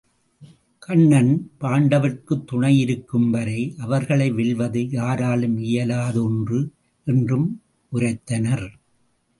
கண்ணன் பாண்டவர்க்குத் துணை இருக்கும் வரை அவர்களை வெல்வது யாராலும் இயலாத ஒன்று என்றும் உரைத்தனர்.